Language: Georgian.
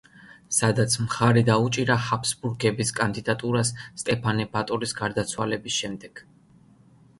სადაც მხარი დაუჭირა ჰაბსბურგების კანდიდატურას სტეფანე ბატორის გარდაცვალების შემდეგ.